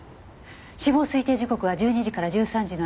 死亡推定時刻は１２時から１３時の間。